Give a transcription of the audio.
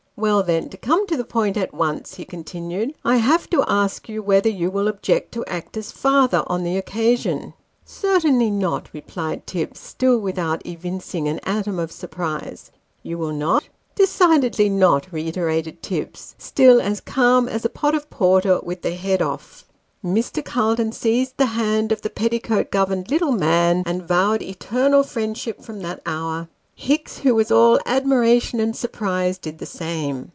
" Well, then, to come to the point at once," he continued, " I. havo to ask you whether you will object to act as father on the occasion ?"" Certainly not," replied Tibbs ; still without evincing an atom of surprise. " You will not ?"" Decidedly not," reiterated Tibbs, still as calm as a pot of porter with the head off. Mr. Calton seized the hand of the petticoat governed little man, and vowed eternal friendship from that hour. Hicks, who was all admira tion and surprise, did the same.